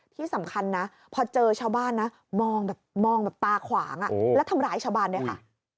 ที่สำคัญนะพอเจอชาวบ้านนะมองแบบมองแบบตาขวางแล้วทำร้ายชาวบ้านด้วยค่ะ